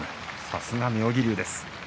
さすが妙義龍です。